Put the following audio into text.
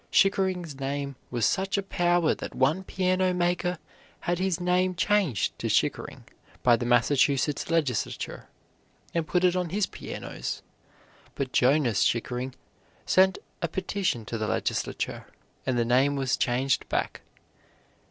Chickering's name was such a power that one piano maker had his name changed to Chickering by the Massachusetts legislature, and put it on his pianos; but Jonas Chickering sent a petition to the legislature, and the name was changed back.